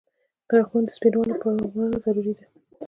• د غاښونو د سپینوالي پاملرنه ضروري ده.